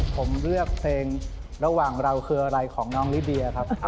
ผมเลือกเพลงระหว่างเราคืออะไรของน้องลิเดียครับ